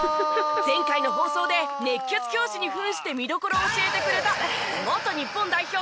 前回の放送で熱血教師に扮して見どころを教えてくれた元日本代表